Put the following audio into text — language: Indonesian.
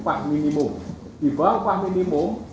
di bawah upah minimum itu adalah pendapatan yang lebih dari upah minimum